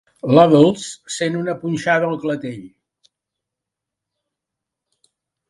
La Dols sent una punxada al clatell.